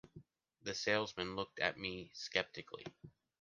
The salesman looked at me skeptically.